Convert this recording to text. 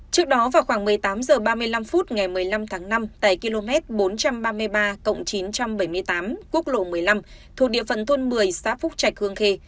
trước đó vào khoảng một mươi tám h ba mươi năm phút ngày một mươi năm tháng năm tại km bốn trăm ba mươi ba chín trăm bảy mươi tám quốc lộ một mươi năm thuộc địa phận thôn một mươi xã phúc trạch hương khê